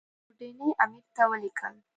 اوډني امیر ته ولیکل.